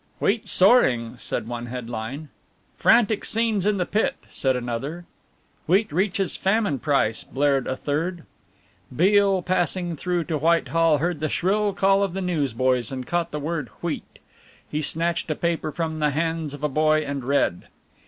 "Wheat soaring," said one headline. "Frantic scenes in the Pit," said another. "Wheat reaches famine price," blared a third. Beale passing through to Whitehall heard the shrill call of the newsboys and caught the word "wheat." He snatched a paper from the hands of a boy and read.